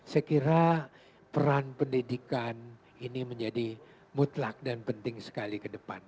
saya kira peran pendidikan ini menjadi mutlak dan penting sekali ke depan